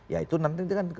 ya itu nanti kan